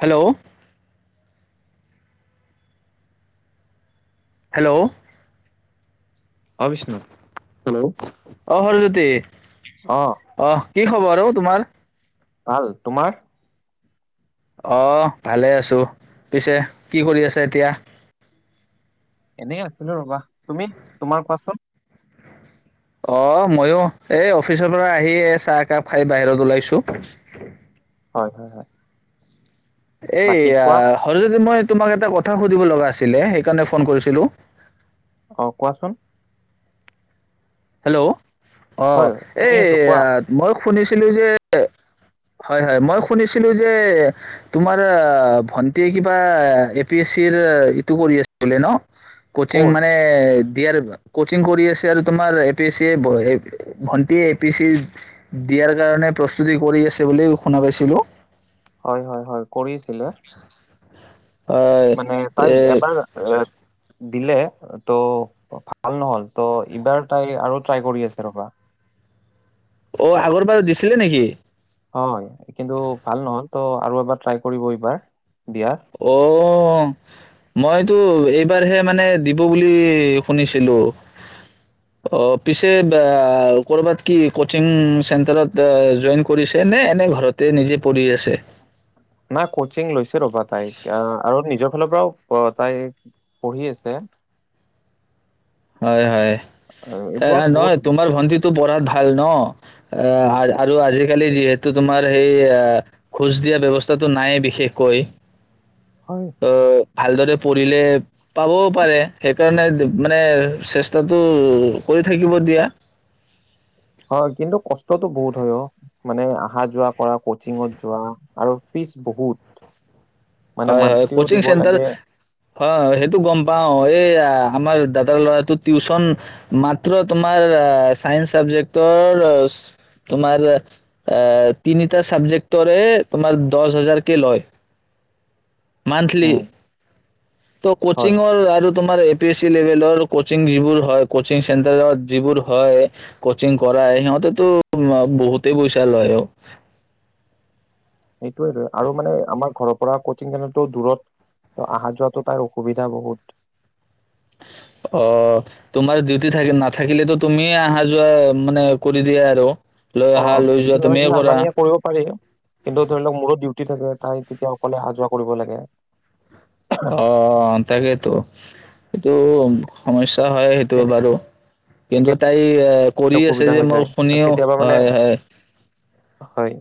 Hello hello অবিষ্ণু hello অ হৰজ্যোতি অহ কি খবৰ অ তোমাৰ ভাল তোমাৰ অহ ভালে আছো পিছে কি কৰি আছা এতিয়া এনে আছো নো ৰবা তুমি তোমাৰ কোৱাচোন অ ময়ো এই অফিচৰ পৰা আহি এই চাহ একাপ খাই বাহিৰত ওলাইছো হয়, হয়, হয় বাকী এইয়া কোৱা সৰু যদি মই তোমাক এটা কথা সুধিব লগা আছিলে সেইকাৰণে ফোন কৰিছিলো অ কোৱাচোন হেল্ল' অহ হয় শুনি এই আছো কোৱা মই শুনিছিলো যে হয় হয় মই শুনিছিলো যে তোমাৰ ভন্টিয় কিবা এ পি এছ চ ৰ ইটো কৰি আছিলে ন কচিং ক'ৰ মানে দিয়াৰ কচিং কৰি আছে আৰু তোমাৰ এ পি চিয়ে ভণ্টিয় এ পি চি দিয়াৰ কাৰণে প্ৰস্তুতি কৰি আছে বুলি শুনা পাইছিলোঁ হয়, হয়, হয় কৰিছিলে হয় মানে তাই এ এবাৰ দিলে ত' ভাল নহল ত' এইবাৰ তাই আৰু ট্ৰাই কৰি আছে ৰবা অ আগৰবাৰ দিছিলে নেকি হয়, কিন্তু ভাল নহল ত' আৰু এবাৰ ট্ৰাই কৰিব এইবাৰ দিয়াৰ অ মইতো এইবাৰহে মানে দিব বুলি শুনিছিলো অ পিছে ক'বাত কি কচিং চেণ্টাৰত জইন কৰিছে নে এনে ঘৰতে নিজে পঢ়ি আছে কচিং লৈছে ৰ'বা তাই আৰু নিজৰ ফালৰ পৰাও তাই পঢ়ি আছে হয় হয় আহ, এ এইবোৰত বহুত নহয় তোমাৰ ভন্টি পঢ়াত ভাল ন আৰু আজিকালি যিহেতু তোমাৰ সেই খোজ দিয়া ব্যবস্থাটো নাই বিশেষকৈ হয়, অ', ভালদৰে পঢ়িলে পাবও পাৰে সেইকাৰণে মানে চেষ্টাটো কৰি থাকিব দিয়া হয় কিন্তু কষ্টতটো বহুত হয় অ মানে অহা যোৱা কৰা কচিঙত যোৱা আৰু ফিজ বহুত মানে হয় হয় মান্থলিও কচিং দিব চেণ্টাৰ লাগে অ সেইটো গম পাও এই আমাৰ দাদাৰ ল'ৰাটো টিউচন মাত্ৰ তোমাৰ চাইন্স চাবজেক্টৰ তোমাৰ তিনিটা চাবজেক্টৰে তোমাৰ দহ হাজাৰকে লয় মান্থলি উম ত' হয় কোচিংৰ আৰু তোমাৰ এপিচি লেবেলৰ কচিং যিবোৰ হয় কচিং চেন্টাৰত যিবোৰ হয় কচিং কৰাই ইহঁতেতো বহুতে পইছা লয় আৰু সেইটোৱেটো আৰু মানে আমাৰ ঘৰৰ পৰা কচিং কেন্দ্ৰত দূৰত ত অহা যোৱাটো তাৰ অসুবিধা বহুত অ তোমাৰ ডিউটি থাকে নাথাকিলেতো তুমিয়ে অহা যোৱা মানে কৰি দিয়া আৰু লৈ অ অহা লৈ যোৱা ডিউতি তুমিয়ে নাথাকিলে আনা কৰা নিয়া কৰিব পাৰি কিন্তু ধৰি লওক মোৰো ডিউটি থাকে তাই তেতিয়া অকলে অহা যোৱা কৰিব লাগে অহ তাকেইটো সেইটো সমস্যা হয় সেইটো তেনেকে বাৰু কিন্তু তাই এ কৰি আছে অসুবিধা যে হৈ যায় মই শুনিও কেতিয়াবা মানে হয় হয় হয়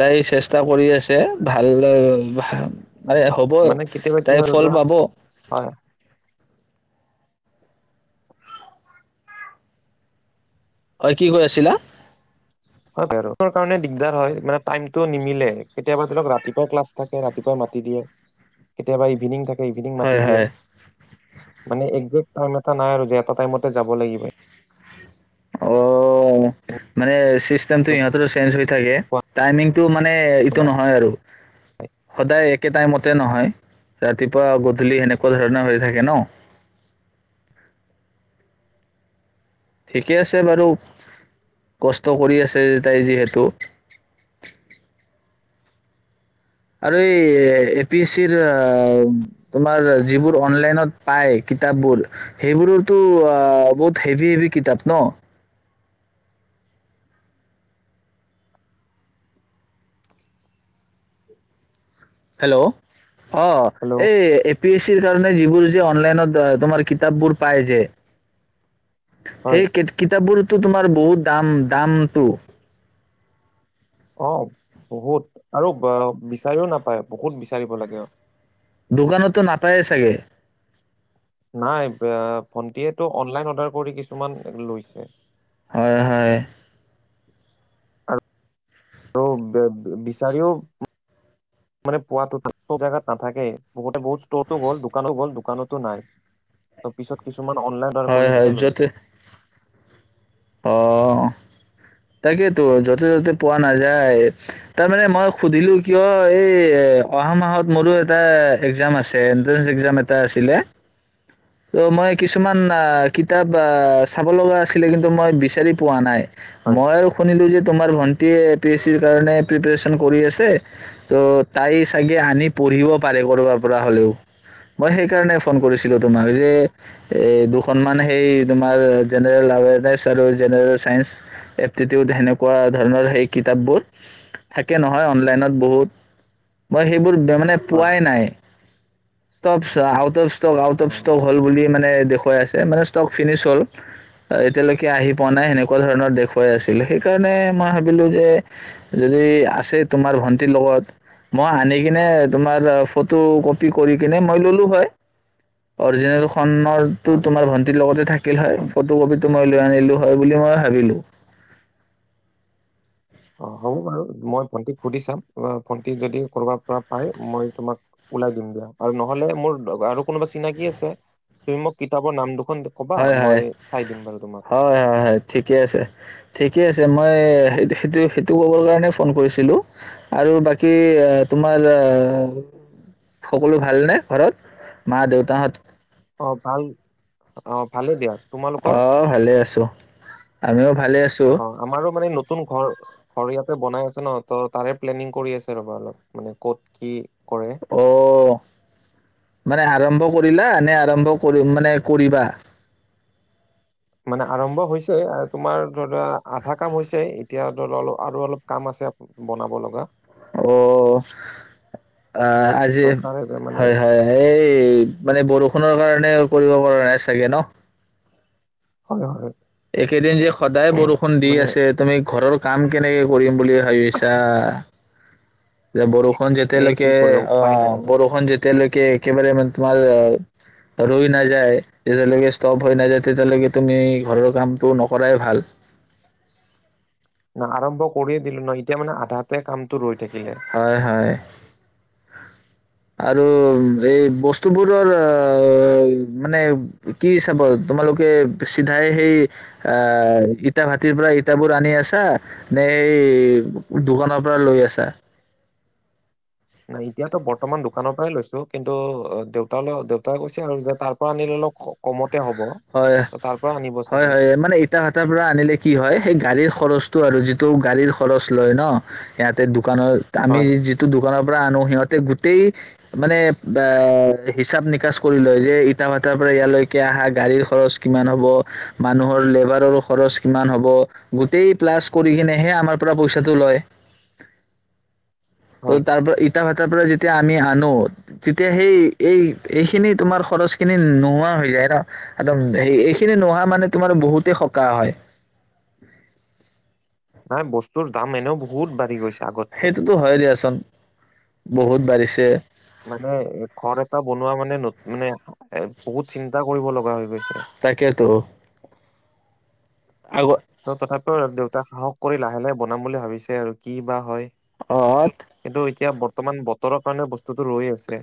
তাই চেষ্টা কৰি আছে ভালে আৰে হ'ব মানে কেতিয়াবা কি হয় তাই ধৰি ফল লোৱা পাব হয় হয় কি কৈ আছিলা হয় বাৰু সেইকাৰণে দিগদাৰ হয় টাইমটো নিমিলে কেতিয়াবা ধৰক ৰাতিপুৱাই ক্লাছ থাকে ৰাতিপুৱাই মাতি দিয়ে কেতিয়াবা ইভিনিং থাকে ইভিনিং হয় মাতি দিয়ে হয় মানে একজেক্ট টাইম এটা নাই আৰু যে এটা টাইমতে যাব লাগিব অ এনেকুৱা মানে ছিষ্টেমটো ইিহঁতৰ চেঞ্জ হৈ থাকে টাইমিংটো মানে এইটো নাই নহয় আৰু সদায় একে টাইমতে নহয় ৰাতিপুৱা গধূলি সেনেকুৱা ধৰণৰ হৈ থাকে ন ঠিকে আছে বাৰু কষ্ট কৰি আছে তাই যিহেতু আৰু এই এ পি এ চিৰ আ, তোমাৰ যিবোৰ অনলাইনত পায় কিতাপবোৰ সেইবোৰতো আ, বহুত হেভি, হেভি কিতাপ ন? হেল্ল' অহ হেল্ল' এই পি এচ চিৰ কাৰণে যিবোৰ যে অনলাইনত দ তোমাৰ কিতাপবোৰ পায় যে হয় সেই কিত-কিতাপবোৰ টো তোমাৰ বহুত দাম-দামটো অহ, বহুত আৰু ব-বিচাৰিও নাপায়, বহুত বিচাৰিব লাগে। দোকানতো নাপায়ে চাগে? নাই, বা-ভন্টিয়টো অনলাইন অৰ্ডাৰ কৰি কিছুমান লৈছে। হয় হয়। আৰু ব্য-ব-বিচাৰিও মানে পোৱাতো [unintelligible] জেগাত নাথাকেই। বহুত ষ্টৰো গ'ল, দোকানো গ'ল, দোকানতো নাই। তাৰ পিছত কিছু কিছুমান অনলাইন [unintelligible] হয় কৰি কেনে লৈছে। অহ। তাকেতো য'তে ত'তে পোৱা নাযায়, তাৰমানে মই সুধিলোঁ কিয় এই, এহ, অহা মাহত মোৰো এটা এক্জাম আছে, এনট্ৰেঞ্চ এক্জাম এটা আছিলে ত' মই কিছুমান, আহ, কিতাপ, আহ, চাব লগা আছিলে কিন্তু তো মই বিচাৰি পোৱা নাই। হয় মই শুনিলোঁ যে তোমাৰ ভন্টিয় এ পি এছ চিৰ কাৰণে প্ৰিপৰেচন কৰি আছে ত' তাই চাগে আনি পঢ়িব পাৰে কৰবাৰ পৰা হ'লেও। মই সেইকাৰণে ফোন কৰিছিলোঁ তোমাক যে এহ দুখনমান সেই তোমাৰ জেনেৰেল আৱেৰ [unintelligible] আৰু জেনেৰেল চাইঞ্চ এপটিটিউড সেনেকুৱা ধৰণৰ সেই কিতাপবোৰ থাকে নহয় অনলাইনত বহুত, মই সেইবোৰ ত মানে হয় পোৱাই নাই। Stuffs out of stock, out uh of stock হ'ল বুলি মানে মে দেখুৱাই আছে মানে ষ্টক ফিনিছ হ'ল, এহ এতিয়ালৈকে আহি পোৱা নাই সেনেকুৱা ধৰণৰ দেখুৱাই আছিল সেইকাৰণে মই ভাবিলোঁ যে, যদি আছে তোমাৰ ভন্টিৰ লগত মই আনি কিনে তোমাৰ ফটো কপি কৰি কিনে মই ল'লো হয়, অৰিজিনেলখন অ', হয় তোমাৰ ভন্টিৰ লগতে থাকিল হয়, ফটো কপিত লৈ আনিলো হয়, বুলি মই ভাবিলোঁ। অ', হ'ব বাৰু মই ভন্তিক সুধি চাম ভন্টি যদি ক'ৰবাৰ পৰা পাই মই তোমাক ওলাই দিম দিয়া আৰু নহ'লে মোৰ কোনোবা চিনাকি আছে তুমি মোক কিতাপৰ নাম দু হয়, হয়, হয়, হয়, হয় ঠিকে আছে, ঠিকে আছ মই সেই-সেইটো, সেইটো ক'বৰ কাৰণে ফোন কৰিছিলো আৰু বাকী তোমাৰ সকলো ভালনে ঘৰত মা দেউতাহঁত? অ', ভাল অ', ভালেই দিয়া। তোমালোকৰ অ', ভালে আছো, আমিও ভালে আছো। অ আমাৰো মানে নতুন ঘৰ ঘৰ ইয়াতে বনাই আছে ন? ত' তাৰে প্লেনিং কৰি আছে ৰ'বা অলপ মানে ক'ত, কি কৰে অ', মানে আৰম্ভ কৰিলা নে আৰম্ভ কৰিম মানে কৰিবা? মানে আৰম্ভ হৈছে তোমাৰ ৰা, আধা কাম হৈছে। এতিয়া [unintelligible] আৰু অলপ কাম আছে বনাব লগা। অ', আ, ত আজি তাৰে মানে হয়, হয় এই মানে বৰষুণৰ কাৰণে কৰিব পৰা নাই চাগে ন? হয়, হয়। একেদিন যে সদায় বৰষুণ দি মানে আছে তুমি ঘৰৰ কাম কেনেকে কৰিম বুলি ভাবিছা যে বৰষু এই কি যেতিয়ালৈকে কৰিব অ উপায় নাই আৰু বৰষুন যে তেতিয়ালৈকে একেবাৰে মানে তোমাৰ ৰৈ নাযায় যেতিয়ালৈকে ষ্টপ হৈ নাযায় তেতিয়ালৈকে তুমি ঘৰৰ কামটো নকৰাই ভাল ন আৰম্ভ কৰিয়ে দিলো ন এতিয়া মানে আধাতে কামতো ৰৈ থাকে হয় হয় আৰু এই বস্তুবোৰৰ আহ মানে কি চাব তোমালোকে চিধাই সেই আহ ইটা ভাটিৰ পৰা ইটাবোৰ আনি আছা নে সেই দোকানৰ পৰা লৈ আছা নাই এতিয়াতো বৰ্তমান দোকানৰ পৰাই লৈছো কিন্তু দেউতাল দেউতাই কৈছে আৰু যে তাৰ পৰা আনিল অলপ কমত হয় হয় হয় মানে ইটা ভাটাৰ পৰা আনিলে কি হয় সেই গাড়ীৰ খৰচ টো আৰু যিটো গাড়ীৰ খৰচ লয় ন সেয়াতে দু দোকানত আমি হয় যিটো দোকানৰ পৰা আনো সিহঁতে গোটেই মানে এ হিচাপ নিকাচ কৰি লয় যে ইটা ভাটৰ পৰা ইয়ালৈকে আহা গাড়ীৰ খৰচ কিমান হ'ব মানুহৰ লেবাৰৰ খৰচ কিমান হ'ব গোটেই প্লাছ কৰি কিনেহে আমাৰ পৰা পইচাটো লয় ত হয় তাৰ পৰা ইটা ভাত তাৰ পৰা যেতিয়া আমি আনো তেতিয়া সেই এই এইখিনি তোমাৰ খৰচ খিনি নোহোৱা হৈ যায় ন একদম স এইখিনি নোহোৱা মানে তোমাৰ বহুতেই সকাহ হয় নাই বস্তুৰ দাম এনেও বহুত বাঢ়ি গৈছে আগতকে সেইটোতো হয়ে দিয়াচোন বহুত বাঢ়িছে মানে ঘৰ এটা বনোৱা মানে মানে এ বহুত চিন্তা কৰিব লগা হৈ গৈছে তাকেতো আগ ত' তথাপিও দেউতাক সাহস কৰি লাহে লাহে বনাম বুলি ভাবিছে আৰু কি বা হয় অ হয় কিন্তু এতিয়া বৰ্তমান বৰ্তমান বতৰৰ কাৰণে বস্তুটো ৰৈ আছে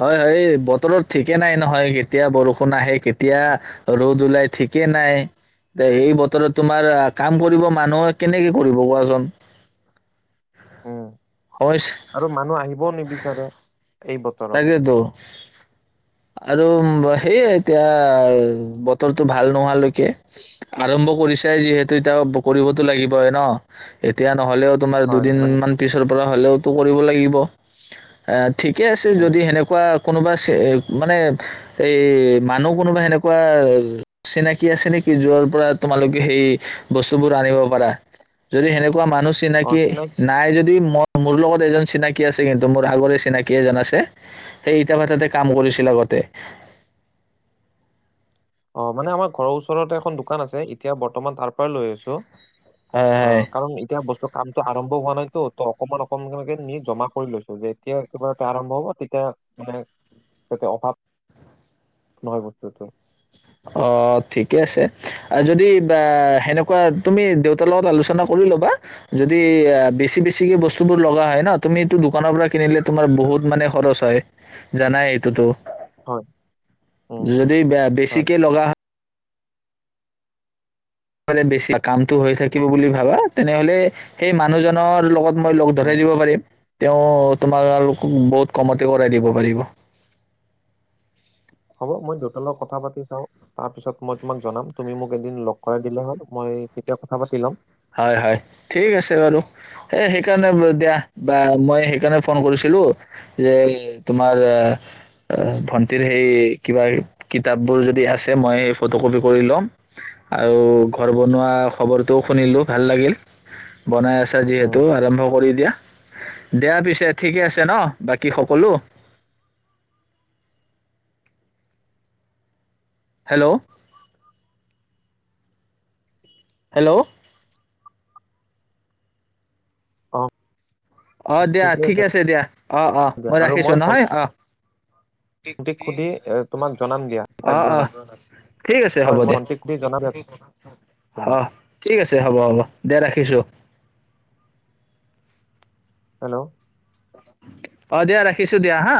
হয় হয় বতৰত ঠিকে নাই নহয় কেতিয়া বৰষুণ আহে কেট এতিয়া ৰ'দ ওলাই ঠিকেই নাই এ সেই বতৰত তোমাৰ কাম কৰিব মানুহে কেনেকে কৰিব কোৱাচোন অম সমস্যা আৰু মানুহ আহিবও নিবিচাৰে এই বতৰত তাকেতো আৰু সেয়ে এতিয়া বতৰটো ভাল নোহাৱালৈকে আৰম্ভ কৰিছাই যিহেতু এতিয়া কৰিবতো লাগিবই ন এতিয়া নহ'লেও তোমাৰ হয় মানে দুদিনমান পিছৰ পৰা হ'লেও কৰিব লাগিব ঠিকে আছে উম যদি সেনেকুৱা কোনোবা চেহ মানে এই মানুহ কোনোবা সেনেকুৱা চিনাকি আছে নেকি যৰ পৰা তোমালোকে সেই বস্তুবোৰ আনিব পাৰা? যদি সেনে কোৱা মানুহ চিনাকি অচিনাকি নাই যদি ম-মোৰ লগত এজন চিনাকি আছে কিন্তু মোৰ আগৰে চিনাকি এজন আছে সেই ইটা ভাটাতে কাম কৰি ইল আগতে অহ, মানে আমাৰ ঘৰৰ ওচৰতে এখন দোকান আছে, এতিয়া বৰ্তমান তাৰ পৰা লৈ আছোঁ। হয় হয় অহ, কাৰণ এতিয়া বস্তু কামটো আৰম্ভ হোৱা নাইতো ত অকমান অকণ কনকে নি জমা কৰি লৈছোঁ, যেতিয়া একবাৰে আৰম্ভ হ'ব তেতিয়া মানে তাতে অভাৱ নহয় বস্তুটো। অহ ঠিকে আছে। আৰু যদি বা সেনেকুৱা তুমি দেউতাৰ লগত আলোচনা কৰি ল'বা যদি বেছি বেছি বস্তুবোৰ লগা হয় ন তুমি দোকানৰ পৰা কিনিলে তোমাৰ বহুত মানে খৰচ হয়, জানাই এইটোতো। হয় উম যদি ব-বেছিক হয় কে লগা বেছি কামতটো হৈ থাকিব বুলি ভাবা তেনেহলে সেই মানুহজনৰ লগত মই লগ উম ধৰাই দিব পাৰিম। তেওঁ তোমালালোকক বহুত কমতে কৰাই দিব পাৰিব। হ'ব মই দেউতাৰ লগত কথা পাতি চাওঁ, তাৰপিছত মই তোমাক জনাম। তুমি মোক এদিন লগ কৰাই দিলে হ'ল মই কেতিয়া কথা পাতি ল'ম। হয় হয়, ঠিক আছে বাৰু। এই সেইকাৰণে দিয়া বা মই সেইকাৰণে ফোন কৰিছিলোঁ যে তোমাৰ, অহ, ভন্টিৰ সেই কিবা কিতাপবোৰ যদি আছে মই সেই ফটো কপি কৰি ল'ম আৰু ঘৰ বনোৱা খবৰটো শুনিলোঁ ভাল লাগিল, বনাই আছা যিহেতু উম আৰম্ভ কৰি দিয়া। দিয়া পিছে ঠিকে আছে ন বাকী সকলো? হেল্ল'। হেল্ল'। অ'। অ', দিয়া, ঠিকে আছে দিয়া, অ', অ', দিয়া মই আৰু ৰাখিছো নহয় অ'। ভন্টিক সুধি এ তোমাক জনাম দিয়া কিতাপ অ', কেইখন অ', আছে ঠিক আছে হয় হ'ব মই দিয়া ভণ্টিক সুধি জনাম দিয়া তোমাক অ', ঠিক আছে হ'ব হ'ব। দিয়া ৰাখিছোঁ। হেল্ল'। অ', দিয়া ৰাখিছো দিয়া হা।